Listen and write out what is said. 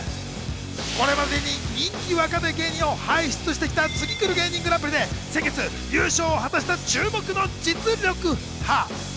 これまでに人気若手芸人を輩出してきた、ツギクル芸人グランプリで先月、優勝を果たした注目の実力派。